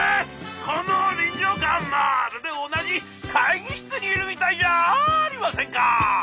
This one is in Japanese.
この臨場感まるで同じ会議室にいるみたいじゃありませんか！」。